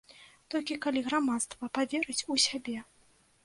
Толькі калі грамадства паверыць у сябе.